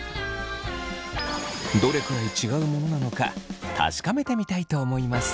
どれくらい違うものなのか確かめてみたいと思います。